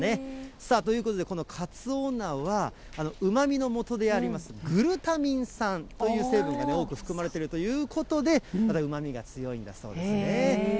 さあ、ということでこのかつお菜は、うまみのもとでありますグルタミン酸という成分がね、多く含まれているということで、うまみが強いんだそうですね。